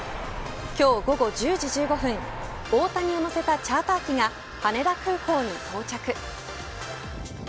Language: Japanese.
今日午後１０時１５分大谷を乗せたチャーター機が羽田空港に到着。